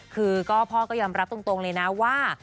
คือก็พ่อก็ยอมรับตรงเลยนะว่า